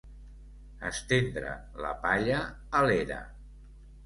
Estendre la palla a l'era.